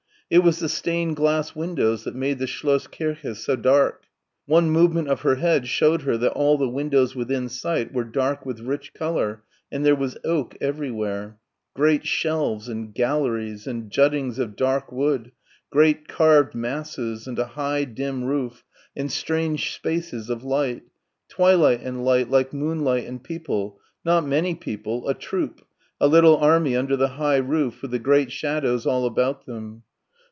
It was the stained glass windows that made the Schloss Kirche so dark. One movement of her head showed her that all the windows within sight were dark with rich colour, and there was oak everywhere great shelves and galleries and juttings of dark wood, great carved masses and a high dim roof and strange spaces of light; twilight, and light like moonlight and people, not many people, a troop, a little army under the high roof, with the great shadows all about them.